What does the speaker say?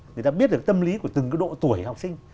người ta biết được tâm lý của từng độ tuổi học sinh